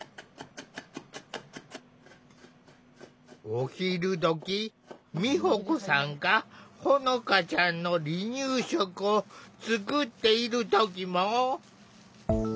お昼どき美保子さんがほのかちゃんの離乳食を作っている時も。